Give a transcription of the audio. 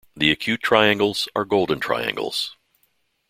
The acute triangles are golden triangles.